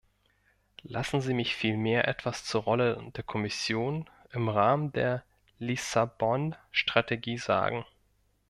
Lassen Sie mich vielmehr etwas zur Rolle der Kommission im Rahmen der Lissabon-Strategie sagen.